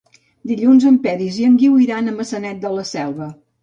Dilluns en Peris i en Guiu iran a Maçanet de la Selva.